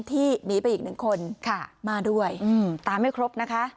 ที่มีไปอีกหนึ่งคนค่ะมาด้วยอืมตามให้ครบนะคะ